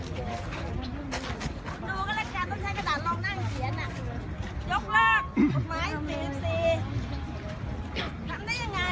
มีผู้ที่ได้รับบาดเจ็บและถูกนำตัวส่งโรงพยาบาลเป็นผู้หญิงวัยกลางคน